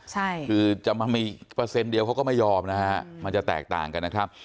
ใช่คือจะมามีผสัญเดียวเขาก็ไม่ยอมนะคะมันจะแตกต่างกันนะครับ